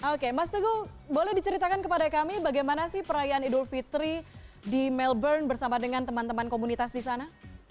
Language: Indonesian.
oke mas teguh boleh diceritakan kepada kami bagaimana sih perayaan idul fitri di melbourne bersama dengan teman teman komunitas di sana